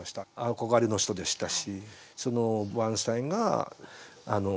憧れの人でしたし。